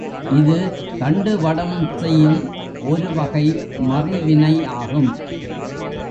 இது, தண்டு வடம் செய்யும் ஒரு வகை மறிவினை ஆகும்.